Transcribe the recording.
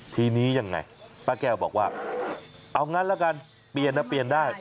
ทีนี้ยังไงป้าแก้วบอกว่าเอางั้นละกันเปลี่ยนนะเปลี่ยนได้